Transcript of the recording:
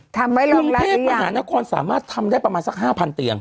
ทำไว้โรงพยาบาลอีกอย่างวันเทพมหานครสามารถทำได้ประมาณสัก๕๐๐๐เตียง